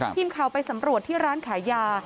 พิมเขาไปสำรวจที่ร้านขายา